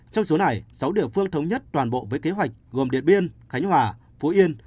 trong số này sáu địa phương thống nhất toàn bộ với kế hoạch gồm điện biên khánh hòa phú yên